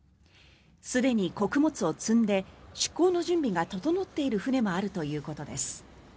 すでに穀物を積んで出港の準備が整っている船もあるということです。